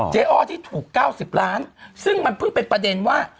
อ้อที่ถูก๙๐ล้านซึ่งมันเพิ่งเป็นประเด็นว่า